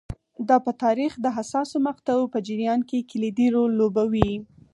دا په تاریخ د حساسو مقطعو په جریان کې کلیدي رول لوبولی